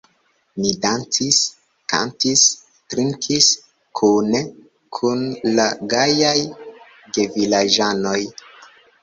Ni dancis, kantis, drinkis kune kun la gajaj gevilaĝanoj.